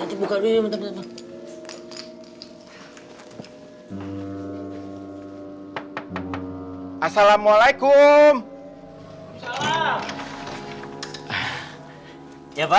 ah perasaan aja